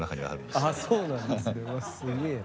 すげえな。